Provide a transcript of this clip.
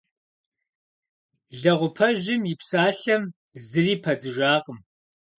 Лэгъупэжьым и псалъэм зыри падзыжакъым.